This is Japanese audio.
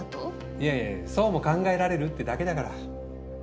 いやいやそうも考えられるってだけだから。